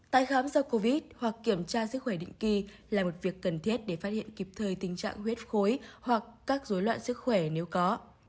tái khám do covid hoặc kiểm tra sức khỏe định kỳ là một việc cần thiết để phát hiện kịp thời tình trạng huyết khối hoặc các dối loạn sức khỏe nếu có